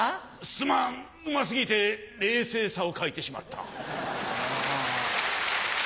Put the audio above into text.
すまんうま過ぎてレイセイさを欠いてしまった。